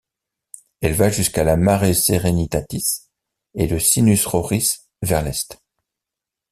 Elle va jusqu'à la Mare Serenitatis et le Sinus Roris vers l'est.